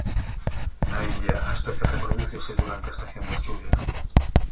Na India a especie reprodúcese durante a estación das chuvias.